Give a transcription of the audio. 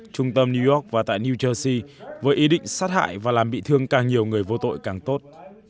trung tâm new york và tại new jersey với ý định sát hại và làm bị thương càng nhiều người vô tội càng tốt